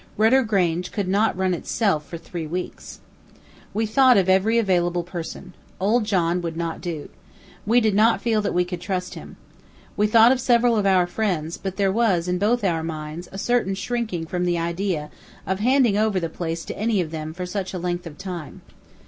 Rudder Grange could not run itself for three weeks. We thought of every available person. Old John would not do. We did not feel that we could trust him. We thought of several of our friends; but there was, in both our minds, a certain shrinking from the idea of handing over the place to any of them for such a length of time.